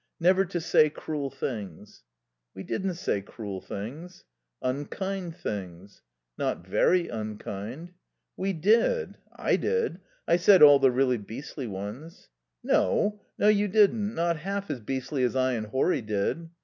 Never to say cruel things." "We didn't say cruel things." "Unkind things." "Not very unkind." "We did. I did. I said all the really beastly ones." "No. No, you didn't. Not half as beastly as I and Horry did."